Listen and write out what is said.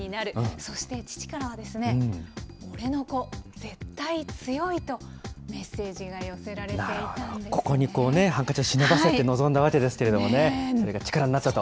そして父からはですね、俺の子、絶対強いとメッセージが寄せられここにこうね、ハンカチを忍ばせて臨んだわけですけれども、これが力になったと。